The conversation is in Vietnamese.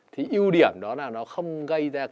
thì ưu điểm đó là nó không gây ra